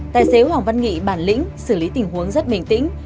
tài xế hoàng văn nghị bản lĩnh xử lý tình huống rất bình tĩnh